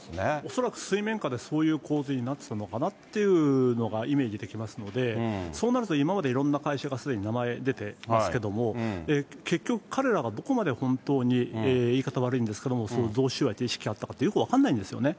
恐らく水面下でそういう構図になってたのかなっていうのがイメージできますので、そうなると今までいろんな会社がすでに名前出てますけども、結局、彼らがどこまで本当に言い方悪いんですけれども、贈収賄っていう意識があったかって、よく分からないんですよね。